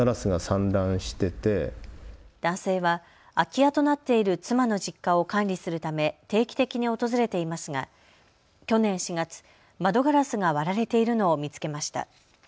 男性は空き家となっている妻の実家を管理するため定期的に訪れていますが去年４月、窓ガラスが割られているのを見つけました。